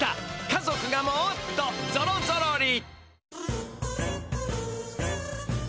家族がもっとぞろぞろり！